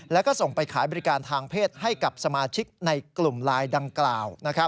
แล้วก็ส่งไปขายบริการทางเพศให้กับสมาชิกในกลุ่มไลน์ดังกล่าว